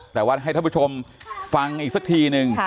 แต่ว่าให้ท่านผู้ชมฟังอีกสักทีนึง